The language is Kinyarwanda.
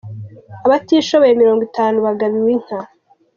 Abatishoboye mirongo itanu bagabiwe inka